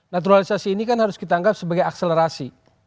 naturalisasi ini kan harus kita anggap sebagai akselerasi